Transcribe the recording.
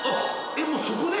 えっもうそこで？